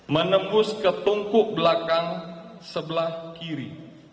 menembus ke tungku belakang sebelah kiri